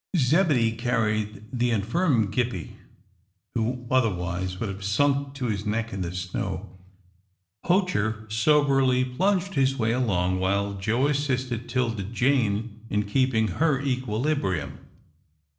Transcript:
Zebedee carried the infirm Gippie, who otherwise would have sunk to his neck in the snow, Poacher soberly plunged his way along, while Joe assisted 'Tilda Jane in keeping her equilibrium.